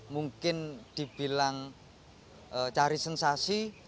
mungkin dibilang cari sensasi